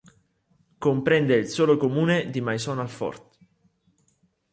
Comprende il solo comune di Maisons-Alfort.